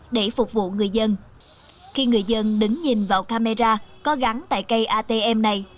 để phục vụ người dân khi người dân đứng nhìn vào camera có gắn tại cây atm này